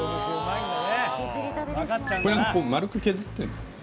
これ丸く削ってんですか？